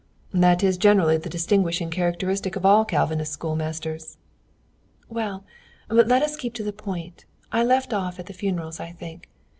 "That is generally the distinguishing characteristic of all Calvinist schoolmasters." "Well, but let us keep to the point. I left off at the funerals, I think.